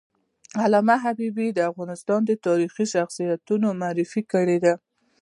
علامه حبیبي د افغانستان تاریخي شخصیتونه معرفي کړي دي.